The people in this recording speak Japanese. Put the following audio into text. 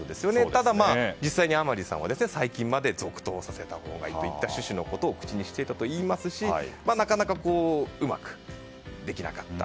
ただ、実際に甘利さんは最近まで続投させたほうがいいとの趣旨を口にしていたといいますしなかなかうまくできなかった。